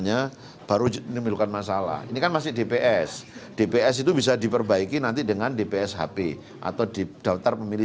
yang untuk menekan carib isi pandangan khusus di swiss